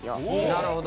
なるほど。